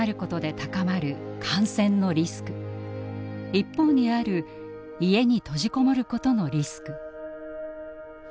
一方にある家に閉じこもることのリスク。